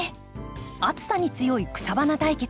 暑さに強い草花対決